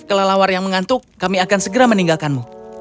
kelelawar yang mengantuk kami akan segera meninggalkanmu